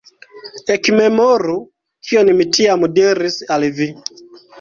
Ekmemoru, kion mi tiam diris al vi!